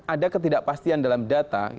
ada ketidakpastian dalam data